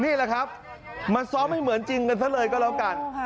นี่แหละครับมาซ้อมให้เหมือนจริงกันซะเลยก็แล้วกัน